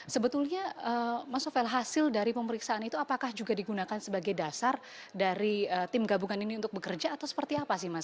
sebetulnya mas novel hasil dari pemeriksaan itu apakah juga digunakan sebagai dasar dari tim gabungan ini untuk bekerja atau seperti apa sih mas